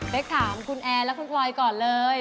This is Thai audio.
ถามคุณแอร์และคุณพลอยก่อนเลย